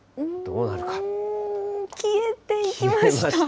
消えていきました。